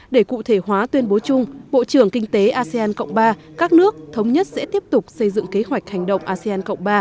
để cụ thể hóa tuyên bố chung bộ trưởng kinh tế asean cộng ba các nước thống nhất sẽ tiếp tục xây dựng kế hoạch hành động asean cộng ba